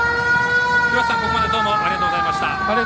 廣瀬さん、ここまでどうもありがとうございました。